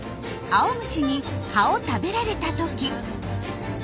アオムシに葉を食べられたとき。